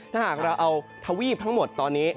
ถ้าหากเราเอาทวีปทั้งหมดตอนนี้